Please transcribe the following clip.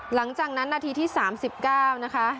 หลังจากนั้นนัดทีที่๓๙นะคะ